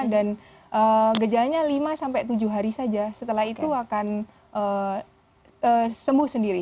dan gejalanya lima sampai tujuh hari saja setelah itu akan sembuh sendiri